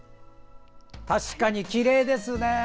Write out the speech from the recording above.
確かにきれいですね！